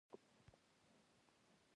پکورې د مینهوالو خوراک دی